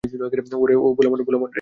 ওরে ও ভোলা মন, ভোলা মন রে।